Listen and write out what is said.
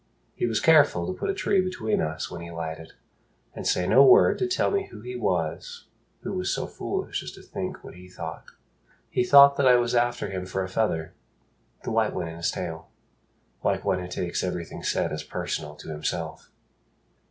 He was careful To put a tree between us when he lighted, And say no word to tell me who he was Who was so foolish as to think what he thought. He thought that I was after him for a feather The white one in his tail; like one who takes Everything said as personal to himself.